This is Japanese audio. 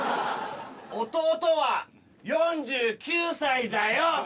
弟は４９歳だよ！